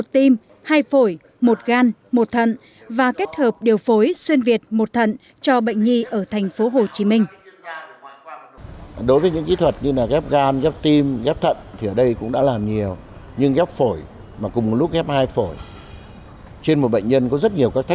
một tim hai phổi một gan một thận và kết hợp điều phối xuyên việt một thận cho bệnh nhi ở thành phố hồ chí minh